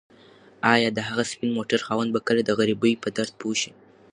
ایا د هغه سپین موټر خاوند به کله د غریبۍ په درد پوه شي؟